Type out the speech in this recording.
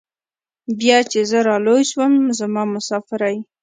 بيا چې زه رالوى سوم زما مسافرۍ.